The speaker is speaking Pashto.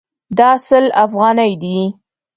دا سل افغانۍ دي